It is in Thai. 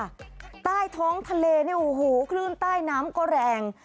ใต้ท้องทะเลเนี่ยโอ้โหคลื่นใต้น้ำก็แรง